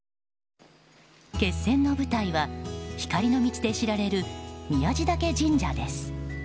決戦の舞台は、光の道で知られる宮地嶽神社です。